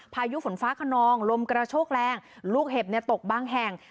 พายุฝนฟ้าขนองลมกระโชกแรงลูกเห็บตกบางแห่ง